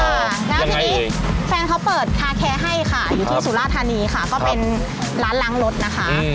ค่ะแล้วทีนี้แฟนเขาเปิดคาแคร์ให้ค่ะอยู่ที่สุราธานีค่ะก็เป็นร้านล้างรถนะคะ